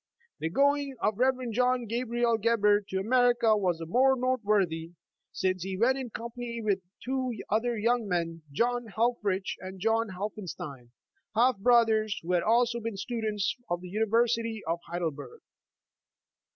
The going of the Rev. John Gabriel Gebhard to America was the more note worthy, since he went in company with two other young men, John Helffrich and John Helffenstein, half brothers, who had also been students of the University of Heidelberg.